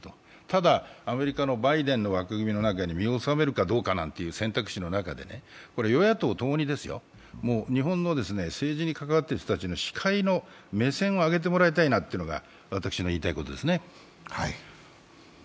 ただ、アメリカのバイデンの枠組みの中に、身をおさめるかどうかなんていう選択肢の中で与野党共に日本の政治に関わっている人たちの視界の目線を上げてもらいたいなというのは私の言いたいことですね。